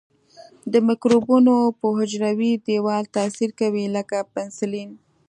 د مکروبونو په حجروي دیوال تاثیر کوي لکه پنسلین.